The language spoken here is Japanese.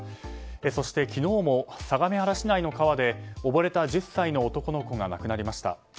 そして昨日も相模原市内の川で溺れた１０歳の男の子が亡くなりました。